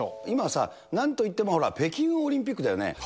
今さ、なんといっても北京オリンピックだよね。